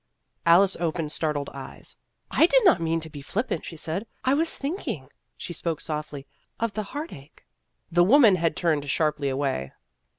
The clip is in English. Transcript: Alice opened startled eyes. " I did not mean to be flippant," she said ;" I was thinking," she spoke softly, " of the heart ache." The woman had turned sharply away.